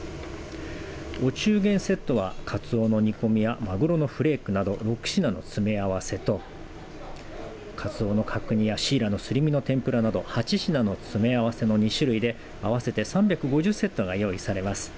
お中元セットはカツオの煮込みやマグロのフレークなど６品の詰め合わせとカツオの角煮やシイラのすり身の天ぷらなど８品の詰め合わせの２種類で合わせて３５０セットが用意されます。